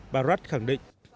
bà ambrat khẳng định